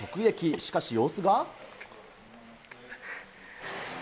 しかし様子が？